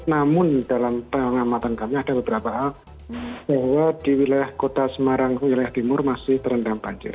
namun dalam pengamatan kami ada beberapa hal bahwa di wilayah kota semarang wilayah timur masih terendam banjir